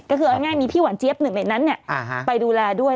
ก็คือเอาง่ายมีพี่หวานเจี๊ยบหนึ่งในนั้นไปดูแลด้วย